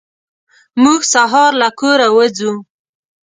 موږ سهار له کوره وځو.